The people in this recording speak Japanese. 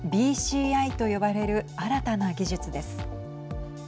ＢＣＩと呼ばれる新たな技術です。